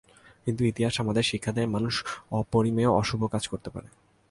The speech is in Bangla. কিন্তু ইতিহাস আমাদের শিক্ষা দেয়, মানুষ অপরিমেয় অশুভ কাজ করতে পারে।